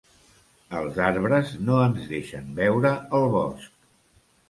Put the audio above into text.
Els arbres no ens deixen veure el bosc.